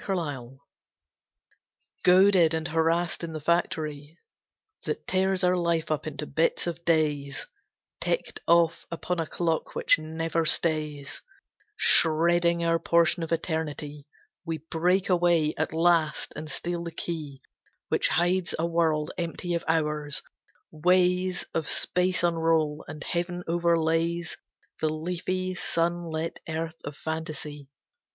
The Matrix Goaded and harassed in the factory That tears our life up into bits of days Ticked off upon a clock which never stays, Shredding our portion of Eternity, We break away at last, and steal the key Which hides a world empty of hours; ways Of space unroll, and Heaven overlays The leafy, sun lit earth of Fantasy.